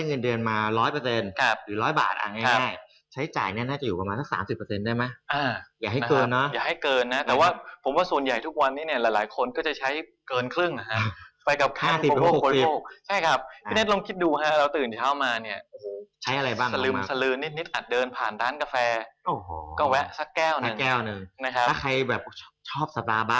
อีกแก้วหนึ่งหลายตังค์นะ